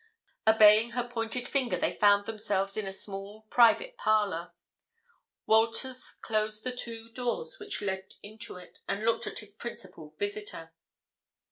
Obeying her pointed finger, they found themselves in a small private parlour. Walters closed the two doors which led into it and looked at his principal visitor.